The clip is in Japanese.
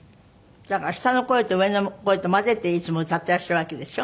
だから下の声と上の声とを混ぜていつも歌ってらっしゃるわけでしょ？